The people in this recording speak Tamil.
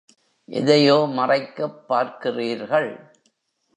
எதையோ மறைக்கப் பார்க்கிறீர்கள்?